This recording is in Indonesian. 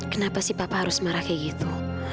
mengapa papa harus marah seperti itu